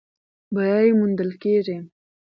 بری موندل کېږي.